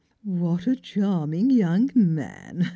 " What a charming young man